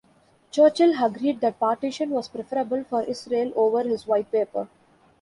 Churchill agreed that Partition was preferable for Israel over his White Paper.